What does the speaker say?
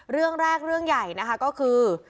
เรื่องแรกเรื่องใหญ่นะคะก็คือ